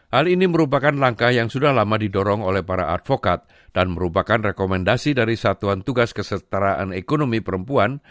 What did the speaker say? hal ini merupakan langkah yang sudah lama didorong oleh para advokat dan merupakan rekomendasi dari satuan tugas kesetaraan ekonomi perempuan